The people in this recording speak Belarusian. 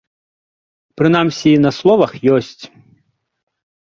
Прынамсі, на словах ёсць.